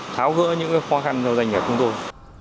tháo gỡ những cái khó khăn do doanh nghiệp của chúng tôi